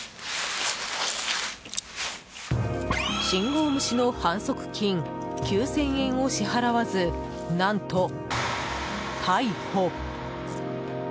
信号無視の反則金９０００円を支払わず、何と逮捕。